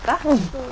うん。